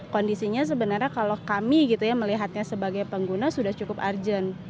kondisinya sebenarnya kalau kami melihatnya sebagai pengguna sudah cukup urgent